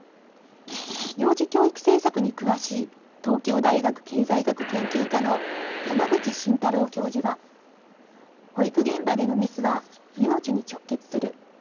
幼児教育政策に詳しい東京大学経済学研究科の山口慎太郎教授は「保育現場でのミスは命に直結する。